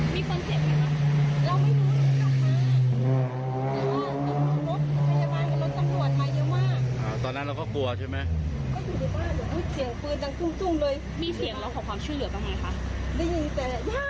มีเสียงแล้วขอความชื่อเหลือกันไหมคะ